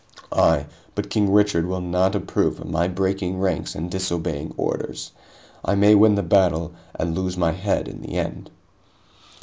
"Aye. But King Richard will not approve of my breaking ranks and disobeying orders. I may win the battle and lose my head in the end."